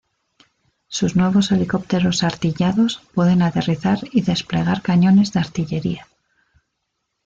Sus nuevos helicópteros artillados pueden aterrizar y desplegar cañones de artillería.